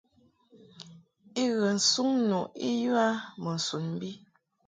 I ghə nsuŋ nu I yə a mbo sun bi.